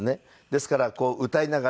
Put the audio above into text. ですから歌いながらこう。